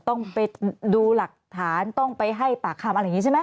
ต้องไปดูหลักฐานต้องไปให้ปากคำอะไรอย่างนี้ใช่ไหม